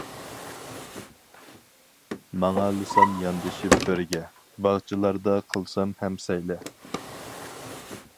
ماڭالىسام ياندىشىپ بىرگە، باغچىلاردا قىلسام ھەم سەيلە.